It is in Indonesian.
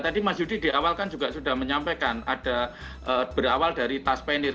tadi mas yudi di awal kan juga sudah menyampaikan ada berawal dari tas penir